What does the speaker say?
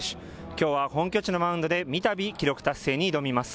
きょうは本拠地のマウンドで三たび記録達成に挑みます。